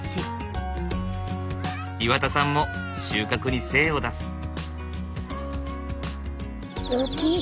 岩田さんも収穫に精を出す。大きい。